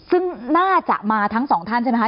ซึ่งน่าจะมาทั้งสองท่านใช่ไหมคะ